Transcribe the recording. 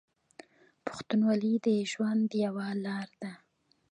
پښتونولي د ژوند یوه لار ده.